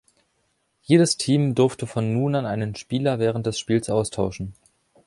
Jedes Team durfte von nun an einen Spieler während des Spiels austauschen.